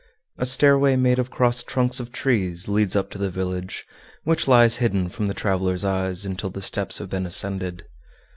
A stairway made of crossed trunks of trees leads up to the village, which lies hidden from the traveler's eyes until the steps have been ascended.